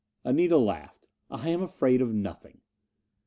Anita laughed. "I am afraid of nothing."